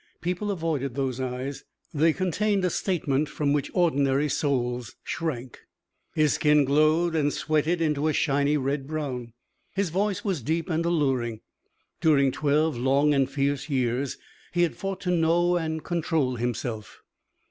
People avoided those eyes; they contained a statement from which ordinary souls shrank. His skin glowed and sweated into a shiny red brown. His voice was deep and alluring. During twelve long and fierce years he had fought to know and control himself.